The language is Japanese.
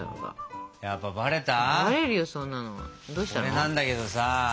これなんだけどさ。